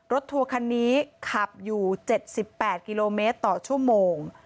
ทัวร์คันนี้ขับอยู่๗๘กิโลเมตรต่อชั่วโมง